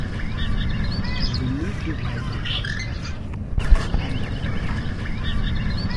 As we moved away from that station my companion woke up.